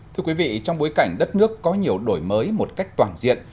thưa quý vị trong bối cảnh đất nước có nhiều đổi mới một cách toàn diện